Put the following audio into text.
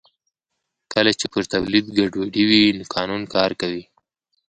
کله چې پر تولید ګډوډي وي نو قانون کار کوي